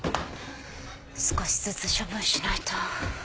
少しずつ処分しないと。